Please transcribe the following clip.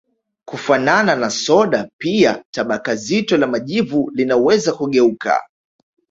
Kufanana na soda pia tabaka zito la majivu linaweza kugeuka